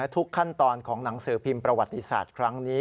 ทุกขั้นตอนของหนังสือพิมพ์ประวัติศาสตร์ครั้งนี้